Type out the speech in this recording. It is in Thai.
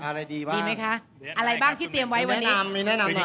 อะไรดีบ้างดีไหมคะอะไรบ้างที่เตรียมไว้วันนี้แนะนำหน่อย